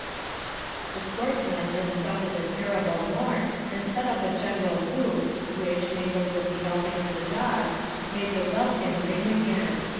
The sportsmen then sounded a treble mort, and set up a general whoop, which, mingled with the yelping of the dogs, made the welkin ring again.